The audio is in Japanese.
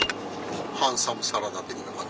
ハンサムサラダ的な感じ？